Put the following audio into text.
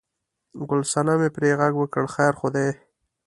ګل صنمې پرې غږ وکړ: خیر خو دی؟